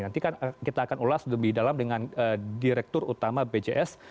nanti kan kita akan ulas lebih dalam dengan direktur utama bjs